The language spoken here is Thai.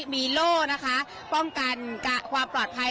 มีโล่นะคะป้องกันความปลอดภัย